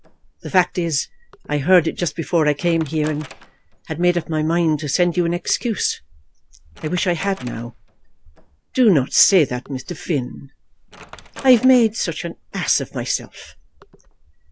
The fact is, I heard it just before I came here, and had made up my mind to send you an excuse. I wish I had now." "Do not say that, Mr. Finn." "I have made such an ass of myself."